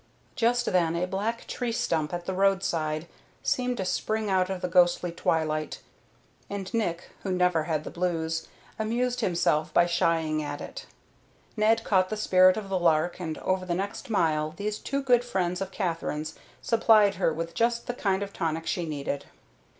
Just then a black tree stump at the roadside seemed to spring out of the ghostly twilight, and Nick, who never had the blues, amused himself by shying at it. Ned caught the spirit of the lark and over the next mile these two good friends of Katherine's supplied her with just the kind of tonic she needed.